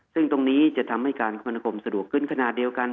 ซึ่งตรงนี้จะทำให้การครณคมสะดวกขึ้นขณะเดียวกัน